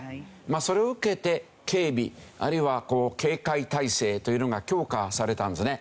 それを受けて警備あるいは警戒体制というのが強化されたんですね。